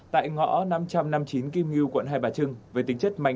tại ngõ năm trăm năm mươi chín kim nguyên